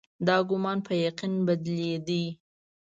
دا ګومان په یقین بدلېدی.